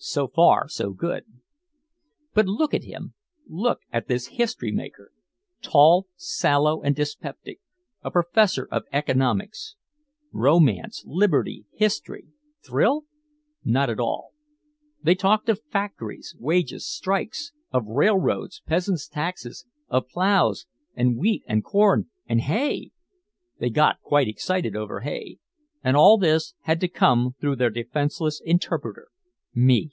So far, so good. But look at him, look at this history maker. Tall, sallow and dyspeptic, a professor of economics. Romance, liberty, history, thrill? Not at all. They talked of factories, wages, strikes, of railroads, peasants' taxes, of plows and wheat and corn and hay! They got quite excited over hay. And all this had to come through their defenseless interpreter me.